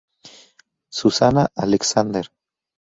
Susana Alexander"